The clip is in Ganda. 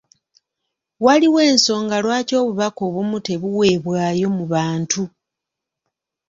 Waliwo ensonga lwaki obubaka obumu tebuweebwayo mu bantu.